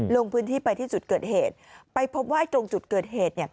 ลงพื้นที่ไปที่จุดเกิดเหตุไปพบว่าตรงจุดเกิดเหตุเนี่ย